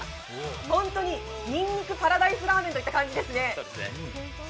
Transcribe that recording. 本当に、にんにくパラダイスラーメンといった感じですね。